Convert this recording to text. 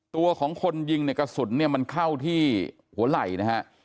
ตัวของคนยิงในกระสุนเนี่ยมันเข้าที่หัวไหล่นะฮะ